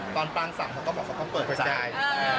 ตอนปางสั่งเขาก็บอกเขาก็เปิดประกาย